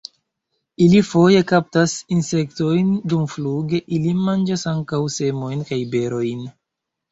Ili foje kaptas insektojn dumfluge; ili manĝas ankaŭ semojn kaj berojn.